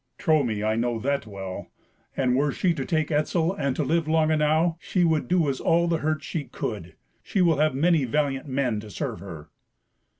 "Trow me, I know that well. And were she to take Etzel, and to live long enow, she would do us all the hurt she could. She will have many valiant men to serve her."